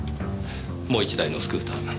もう１台のスクーター